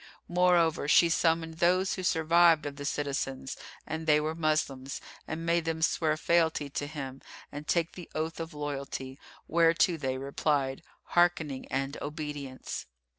Moreover, she summoned those who survived of the citizens (and they were Moslems), and made them swear fealty to him and take the oath of loyalty, whereto they replied, "Hearkening and obedience!"